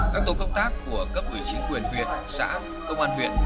các tổ công tác của cấp ủy chính quyền huyện xã công an huyện